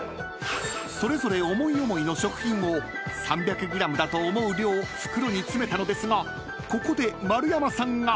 ［それぞれ思い思いの食品を３００ｇだと思う量袋に詰めたのですがここで丸山さんが］